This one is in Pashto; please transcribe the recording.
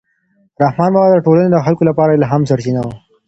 رحمان بابا د ټولنې د خلکو لپاره د الهام سرچینه و.